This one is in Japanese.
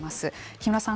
木村さん